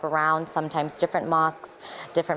kadang kadang masjid yang berbeda